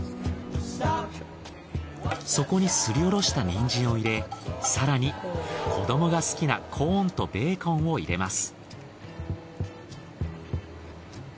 そこにすりおろしたニンジンを入れ更に子どもが好きなコーンとベーコンを入れます。